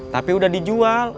tapi udah dijual